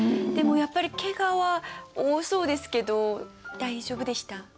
でもやっぱりけがは多そうですけど大丈夫でした？